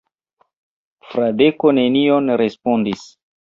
Fradeko nenion respondis.